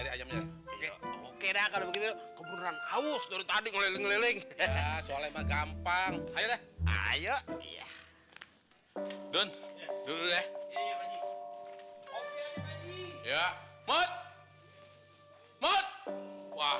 sampai jumpa di video selanjutnya